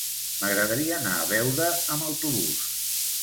M'agradaria anar a Beuda amb autobús.